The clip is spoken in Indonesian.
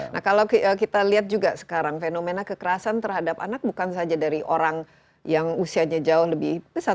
nah kalau kita lihat juga sekarang fenomena kekerasan terhadap anak bukan saja dari orang yang usianya jauh lebih besar